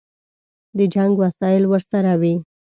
د جنګ وسایل ورسره وي.